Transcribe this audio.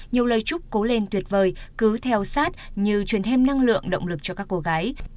nhiều lời chúc cố lên tuyệt vời cứ theo sát như truyền thêm năng lượng động lực cho các cô gái